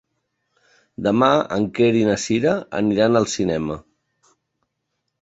Demà en Quer i na Cira aniran al cinema.